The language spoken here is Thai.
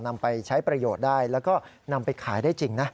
นำไปใช้ประโยชน์ได้แล้วก็นำไปขายได้จริงนะ